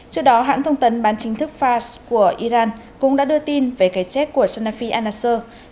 trước đó hãng thông tấn bán chính thức fars của iran cũng đã đưa tin về cái chết của sanafi al nusra